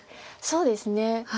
そうですね。